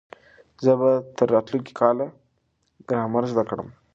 زه به تر راتلونکي کاله ګرامر زده کړم.